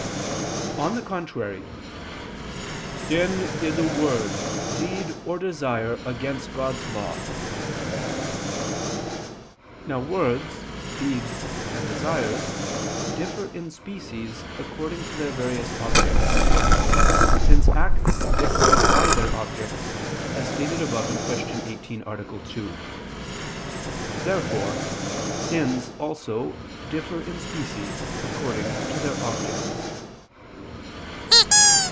On the contrary, "Sin is a word, deed, or desire against God's law." Now words, deeds, and desires differ in species according to their various objects: since acts differ by their objects, as stated above (Q. 18, A. 2). Therefore sins, also differ in species according to their objects.